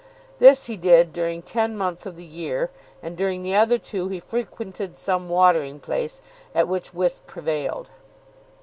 This he did during ten months of the year, and during the other two he frequented some watering place at which whist prevailed.